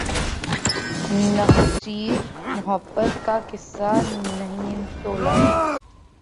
نخچیر محبت کا قصہ نہیں طولانی